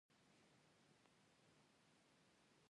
ازادي راډیو د اطلاعاتی تکنالوژي لپاره عامه پوهاوي لوړ کړی.